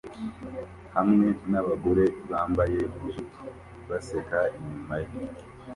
hamwe nabagore bambaye ijipo baseka inyuma ye